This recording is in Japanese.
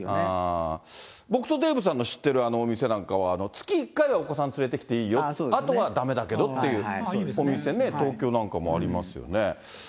僕とデーブさんの知ってるあのお店なんかは、月１回はお子さん連れてきていいよ、あとはだめだけどっていうお店ね、東京なんかもありますよね。